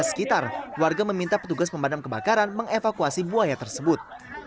di sekitar warga meminta petugas pemadam kebakaran mengevakuasi buaya tersebut